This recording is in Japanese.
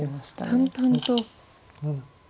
淡々と。